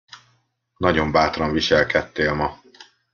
Nagyon bátran viselkedtél ma.